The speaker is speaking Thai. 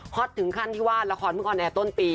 คอดถึงขั้นที่ว่าระครเมื่อก่อนแอร์ต้นปี